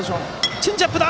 チェンジアップだ！